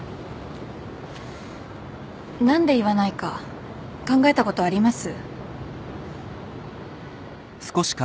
何で言わないか考えたことあります？